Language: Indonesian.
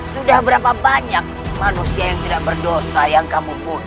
sudah berapa banyak manusia yang tidak berdosa yang kamu punya